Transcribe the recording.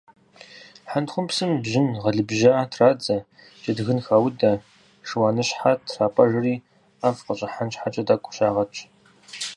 Хьэнтхъупсым бжьын гъэлыбжьа традзэ, джэдгын хаудэ, шыуаныщхьэр трапӀэжри ӀэфӀ къыщӀыхьэн щхьэкӀэ тӏэкӏу щагъэтщ.